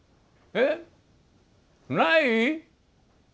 えっない？